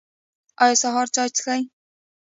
ایا سهار چای څښئ؟